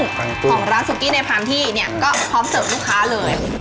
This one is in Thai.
ของร้านซุกี้ในพันที่เนี่ยก็พร้อมเสิร์ฟลูกค้าเลย